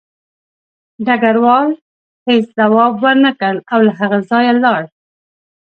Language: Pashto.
ډګروال هېڅ ځواب ورنکړ او له هغه ځایه لاړ